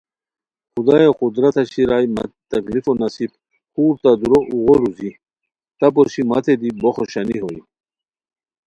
خدایو قدرتہ شیرائے مہ تکلیفو نصیب خور تہ دُورہ اوغو روزی تہ پوشی متے دی بو خوشانی ہوئے